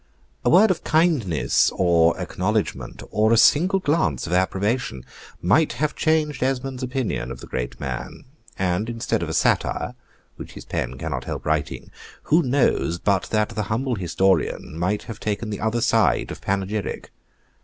A word of kindness or acknowledgment, or a single glance of approbation, might have changed Esmond's opinion of the great man; and instead of a satire, which his pen cannot help writing, who knows but that the humble historian might have taken the other side of panegyric?